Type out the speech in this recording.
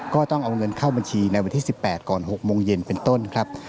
ก็ต้องเอาเงินเข้าบัญชีในวันที่๑๘ก่อน๖โมงเย็นเป็นต้นครับ